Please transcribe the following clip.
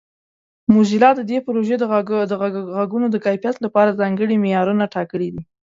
موزیلا د دې پروژې د غږونو د کیفیت لپاره ځانګړي معیارونه ټاکلي دي.